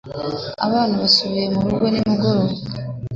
Abana basubiye murugo nimugoroba.